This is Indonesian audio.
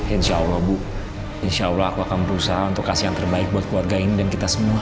insya allah bu insya allah aku akan berusaha untuk kasih yang terbaik buat keluarga ini dan kita semua